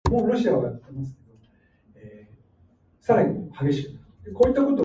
After this time, the Atrebates were recognized as a client kingdom of Rome.